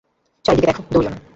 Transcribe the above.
চারিদিকে দেখো, দৌড়িও না।